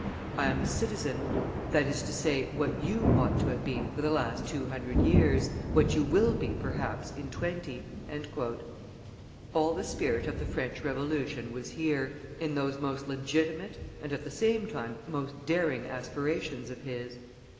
I am a citizen; that is to say, what you ought to have been for the last two hundred years, what you will be, perhaps, in twenty!" All the spirit of the French Revolution was here, in those most legitimate and at the same time most daring aspirations of his.